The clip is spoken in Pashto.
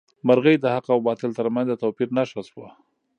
مرغۍ د حق او باطل تر منځ د توپیر نښه شوه.